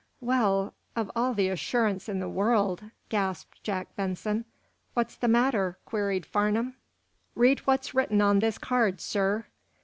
"Well, of all the assurance in the world?" gasped Jack Benson. "What's the matter!" queried Farnum. "Read what's written on this card, sir."